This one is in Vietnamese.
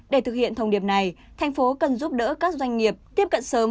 để thực hiện thông điệp này thành phố cần giúp đỡ các doanh nghiệp tiếp cận sớm